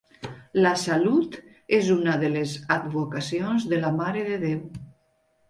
La Salut és una de les advocacions de la Mare de Déu.